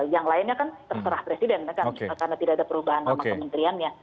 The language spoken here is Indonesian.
yang lainnya kan terserah presiden karena tidak ada perubahan nama kementeriannya